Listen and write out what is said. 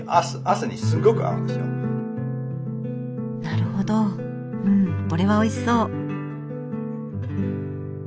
なるほどうんこれはおいしそう。